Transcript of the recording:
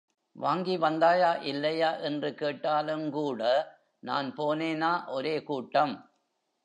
வாங்கி வந்தாயா, இல்லையா? என்று கேட்டாலுங்கூட, நான் போனேனா ஒரே கூட்டம்.